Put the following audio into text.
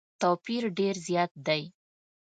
توپیر ډېر زیات دی.